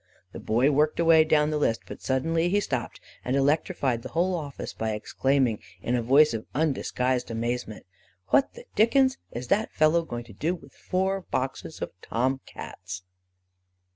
The boy worked away down the list, but suddenly he stopped, and electrified the whole office by exclaiming, in a voice of undisguised amazement, 'What the dickens is that fellow going to do with four boxes of Tom Cats?